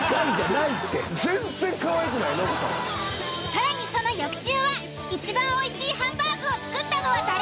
更にその翌週はいちばんおいしいハンバーグを作ったのは誰？